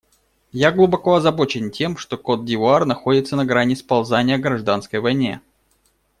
Я глубоко озабочен тем, что Котд'Ивуар находится на грани сползания к гражданской войне.